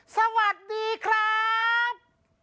สวัสดีครับ